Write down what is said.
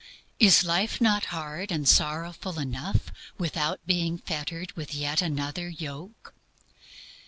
Is life not hard and sorrowful enough without being fettered with yet another yoke?